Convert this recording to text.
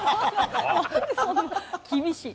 厳しい。